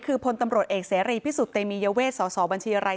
คือพลตำรวจเอกเสรีพิสุทธิ์เตมียเวทสสบัญชีอะไร